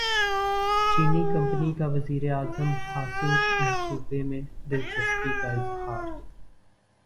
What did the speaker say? چینی کمپنی کا وزیر اعظم ہاسنگ منصوبے میں دلچسپی کا اظہار